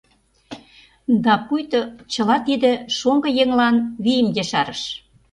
Да пуйто чыла тиде шоҥго еҥлан вийым ешарыш.